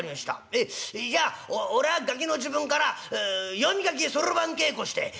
ええじゃあ俺はガキの時分から読み書きそろばん稽古してちょいと」。